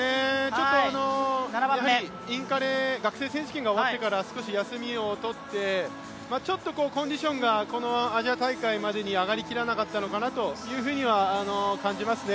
ちょっとインカレ、学生選手権が終わってから少し休みを取って、ちょっとコンディションがこのアジア大会までに上がりきらなかったのかなとは感じますね。